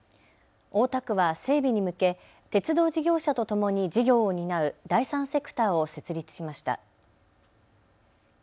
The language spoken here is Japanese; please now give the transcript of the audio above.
大田区は整備に向け鉄道事業社とともに事業を担う第三セクターを設立しました。